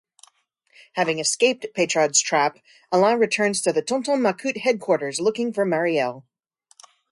Having escaped Peytraud's trap, Alan returns to the "Tonton Macoute" headquarters looking for Marielle.